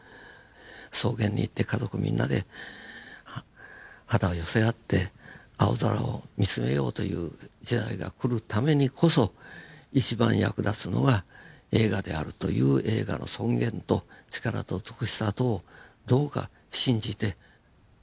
草原に行って家族みんなで肌を寄せ合って青空を見つめようという時代が来るためにこそ一番役立つのは映画であるという映画の尊厳と力と美しさとをどうか信じて。